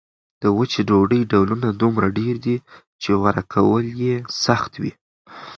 د وچې ډوډۍ ډولونه دومره ډېر دي چې غوره کول یې سخت وي.